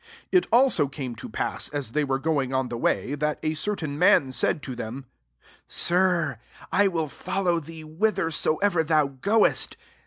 ^7 It also came topass^ as they were going on the way, that a certain man said to him, ^ f Sir,] 1 will fellow thee whi thersoever thou goest.'